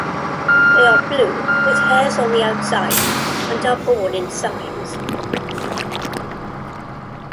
They are blue with hairs on the outside and are borne in cymes.